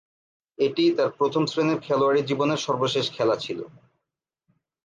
এটিই তার প্রথম-শ্রেণীর খেলোয়াড়ী জীবনের সর্বশেষ খেলা ছিল।